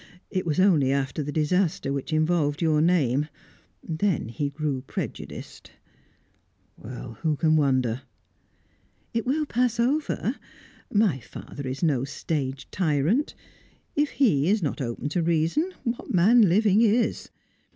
It was only after the disaster which involved your name. Then he grew prejudiced." "Who can wonder?" "It will pass over. My father is no stage tyrant. If he is not open to reason, what man living is?